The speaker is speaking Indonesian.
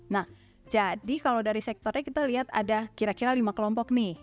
nah jadi kalau dari sektornya kita lihat ada kira kira lima kelompok nih